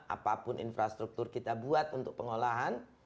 apapun infrastruktur kita buat untuk pengolahan